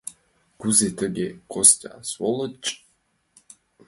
«Кузе тыге: Костя — сволочь?..»